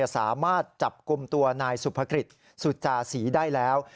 สามารถจับกลุ่มตัวนายสุภกฤษสุจาศรีได้แล้ว